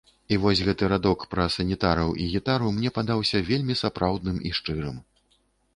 І вось гэты радок пра санітараў і гітару мне падаўся вельмі сапраўдным і шчырым.